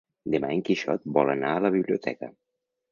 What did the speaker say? Demà en Quixot vol anar a la biblioteca.